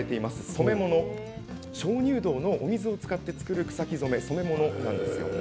染め物、鍾乳洞のお水を使って作る草木染め染め物なんです。